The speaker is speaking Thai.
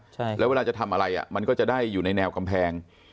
ใช่แล้วเวลาจะทำอะไรอ่ะมันก็จะได้อยู่ในแนวกำแพง